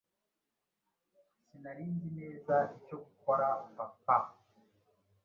sinari nzi neza icyo gukorapapa